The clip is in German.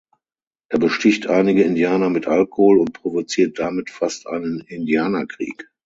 Er besticht einige Indianer mit Alkohol und provoziert damit fast einen Indianerkrieg.